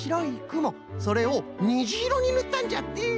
それをにじいろにぬったんじゃって。